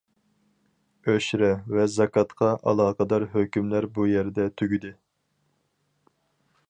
ئۆشرە ۋە زاكاتقا ئالاقىدار ھۆكۈملەر بۇ يەردە تۈگىدى.